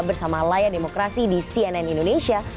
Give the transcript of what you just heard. bersama layar demokrasi di cnn indonesia